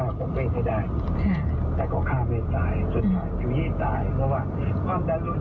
ว่าความจำชั่วดุลเซอร์สูงอิชามากเลย